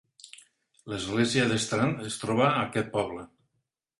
L'església d'Strand es troba a aquest poble.